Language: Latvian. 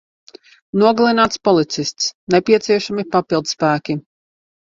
Nogalināts policists. Nepieciešami papildspēki.